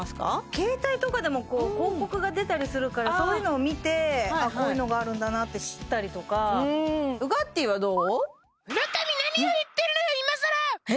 携帯とかでも広告が出たりするからそういうのを見てあっこういうのがあるんだなって知ったりとかウガッティーはどう？